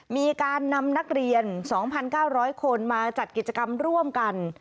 มีการนำนักเรียน๒๙๐๐คนมาจัดกิจกรรมร่วมกัน